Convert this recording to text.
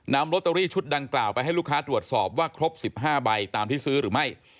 นำลอตเตอรี่ชุดดังกล่าวไปให้ลูกค้าตรวจสอบว่าครบ๑๕ใบตามที่ซื้อหรือไม่